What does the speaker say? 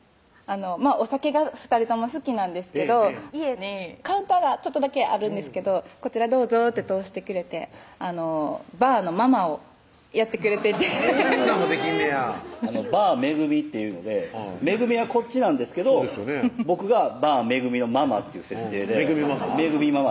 お酒が２人とも好きなんですけど家にカウンターがちょっとだけあるんですけど「こちらどうぞ」って通してくれてバーのママをやってくれててそんなんもできんねやバー恵っていうので恵はこっちなんですけど僕がバー恵のママっていう設定で恵ママ？